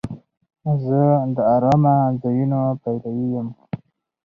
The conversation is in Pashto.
زه د آرامه ځایونو پلوی یم.